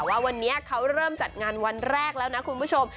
ว่าวันนี้เขาเริ่มจัดงานวันแรกแล้วนะคุณผู้ชม